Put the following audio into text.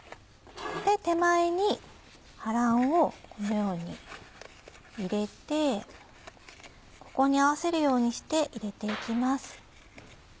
手前に葉らんをこのように入れてここに合わせるようにして入れて行きます。